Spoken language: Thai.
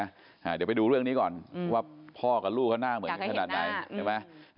เดี๋ยวไปดูเรื่องนี้ก่อนว่าพ่อกับลูกเขาหน้าเหมือนกันขนาดไหนใช่ไหม